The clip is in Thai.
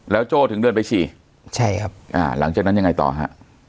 โจ้ถึงเดินไปฉี่ใช่ครับอ่าหลังจากนั้นยังไงต่อฮะ